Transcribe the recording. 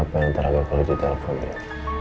siapa yang terakhir pergi di telpon dia